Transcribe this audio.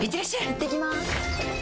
いってきます！